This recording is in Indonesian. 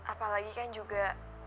apalagi kan juga